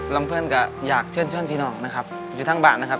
ลำเพิร์นกับอยากเชื่อนเชื่อนพี่น้องนะครับอยู่ทั้งบ้านนะครับ